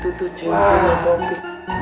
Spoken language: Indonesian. wah itu tuh cincinnya popi